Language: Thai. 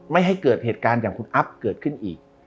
ไม่ให้เกิดเหตุการณ์อย่างคุณอัพเกิดขึ้นอีก